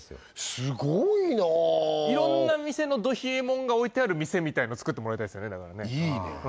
すごいないろんな店のど冷えもんが置いてある店みたいの作ってもらいたいですよねいいね